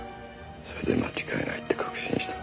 それで間違いないって確信した。